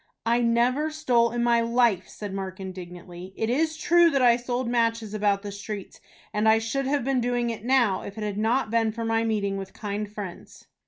"I never stole in my life," said Mark, indignantly. "It is true that I sold matches about the streets, and I should have been doing it now, if it had not been for my meeting with kind friends."